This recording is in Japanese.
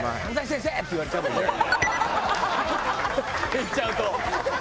行っちゃうと。